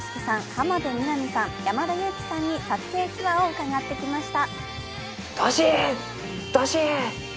浜辺美波さん、山田裕貴さんに撮影秘話を伺ってきました。